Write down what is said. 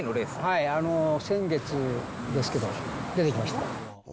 はい、先月ですけど、出てきました。